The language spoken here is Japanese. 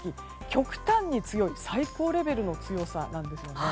極端に強い最高レベルの強さなんですよね。